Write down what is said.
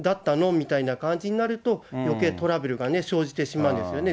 みたいな感じになると、よけいトラブルが生じてしまうんですよね。